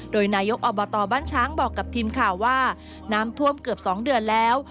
โดยนายกอบตบ้านช้างบอกกับทีมข่าวว่าน้ำท่วมเกือบ๒เดือนแล้ว